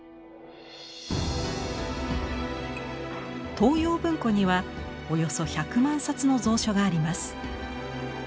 東洋文庫にはおよそ１００万冊の蔵書があります。